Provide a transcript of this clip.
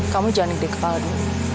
kamu jangan digede kepalamu